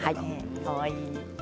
かわいい。